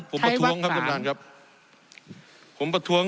ผมประท้วงระดับที่